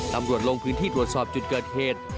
ลงพื้นที่ตรวจสอบจุดเกิดเหตุ